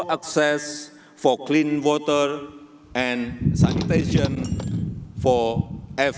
untuk memastikan akses air bersih dan sanitasi bagi semua orang